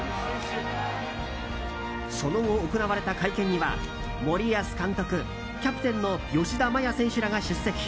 その後、行われた会見には森保監督キャプテンの吉田麻也選手らが出席。